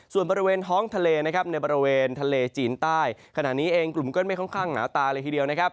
ส่วนบริเวณท้องทะเลนะครับในบริเวณทะเลจีนใต้ขณะนี้เองกลุ่มก้อนไม่ค่อนข้างหนาตาเลยทีเดียวนะครับ